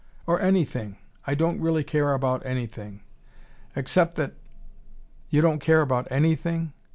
"Or anything. I don't really care about anything. Except that " "You don't care about anything?